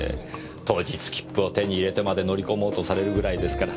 当日切符を手に入れてまで乗り込もうとされるぐらいですから。